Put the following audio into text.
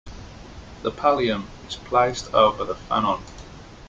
The pallium is placed over the fanon.